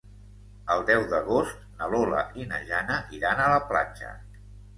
El deu d'agost na Lola i na Jana iran a la platja.